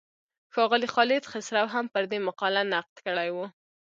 ښاغلي خالد خسرو هم پر دې مقاله نقد کړی و.